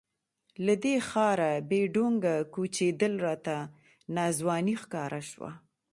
له دې ښاره بې ډونګه کوچېدل راته ناځواني ښکاره شوه.